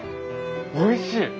おいしい。